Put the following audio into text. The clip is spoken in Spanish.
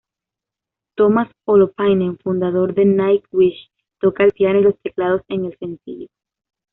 Tuomas Holopainen, fundador de Nightwish, toca el piano y los teclados en el sencillo.